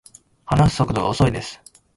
話す速度が遅いです